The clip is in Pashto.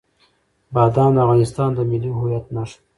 بادام د افغانستان د ملي هویت نښه ده.